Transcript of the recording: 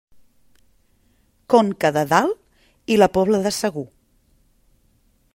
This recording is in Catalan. Conca de Dalt i La Pobla de Segur.